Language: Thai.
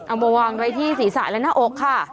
เอามาวางไว้ที่ศีรษะและหน้าอกค่ะ